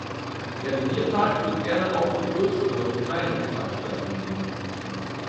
Der Revierpark wird gerne auch für größere und kleinere Veranstaltungen genutzt.